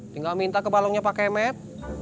tinggal minta ke balongnya pakai med